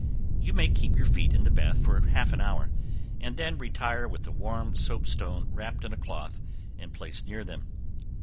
You may keep your feet in the bath for half an hour, and then retire with a warm soap stone wrapped in a cloth and placed near them.